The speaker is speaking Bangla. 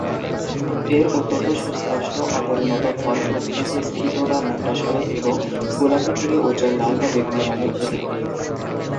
এর অত্যন্ত সুস্পষ্ট অপরিণত ফল প্রকৃতিতে স্ফীত বা মূত্রাশয় এবং গোলাপী থেকে উজ্জ্বল লাল বা বেগুনি রঙের হয়ে থাকে।